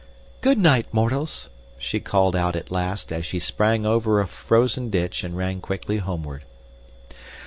"Good night, mortals!" she called out at last as she sprang over a frozen ditch and ran quickly homeward.